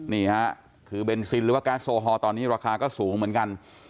นี่ฮะถือเบนซินหรือว่าแก๊สโซฮอลตอนนี้ราคาก็สูงเหมือนกัน